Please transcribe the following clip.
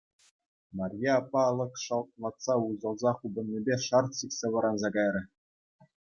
Марье аппа алӑк шалтлатса уҫӑлса хупӑннипе шарт сиксе вӑранса кайрӗ.